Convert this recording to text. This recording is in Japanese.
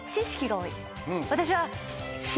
私は。